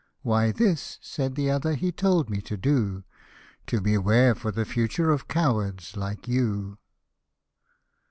" Why this," said the other, " he told me to do, To beware for the future of cowards like you."